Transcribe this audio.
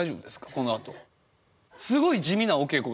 このあと。